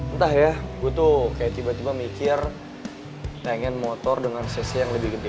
entah ya gue tuh kayak tiba tiba mikir pengen motor dengan cc yang lebih gede